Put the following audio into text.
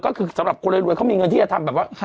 ก็คือสำหรับคนรวยเขามีเงินที่จะทำแบบว่า